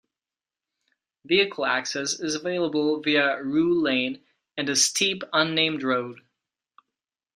Vehicle access is available via Rew Lane and a steep unnamed road.